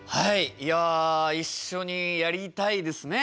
いや一緒にやりたいですね。